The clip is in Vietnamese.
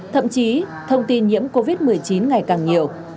thậm chí thông tin nhiễm covid một mươi chín ngày càng nhiều